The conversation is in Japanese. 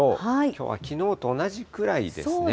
きょうはきのうと同じくらいですね。